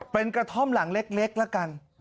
เป็นกระท่อมหลังเล็กละกัน